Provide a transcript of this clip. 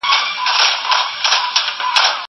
زه بايد مېوې وچوم.